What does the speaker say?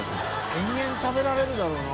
永遠食べられるだろうな。